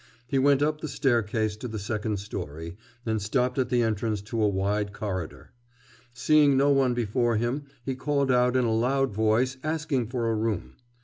He went up the staircase to the second story, and stopped at the entrance to a wide corridor. Seeing no one before him he called out in a loud voice asking for a room.